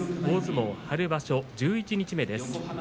大相撲春場所、十一日目です。